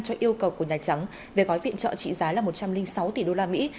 cho yêu cầu của nhà trắng về gói viện trợ trị giá là một trăm linh sáu tỷ đô la mỹ